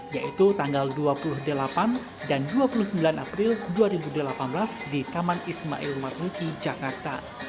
yaitu tanggal dua puluh delapan dan dua puluh sembilan april dua ribu delapan belas di taman ismail marzuki jakarta